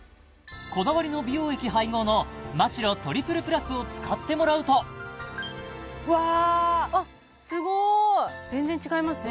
こだわりの美容液配合のマ・シロトリプルプラスを使ってもらうとうわあっすごい全然違いますね